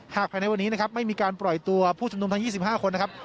ภายในวันนี้นะครับไม่มีการปล่อยตัวผู้ชมนุมทั้ง๒๕คนนะครับ